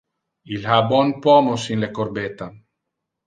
Il ha bon pomos in le corbetta.